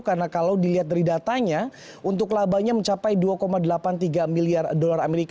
karena kalau dilihat dari datanya untuk labanya mencapai dua delapan puluh tiga miliar dolar amerika